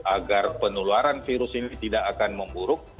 agar penularan virus ini tidak akan memburuk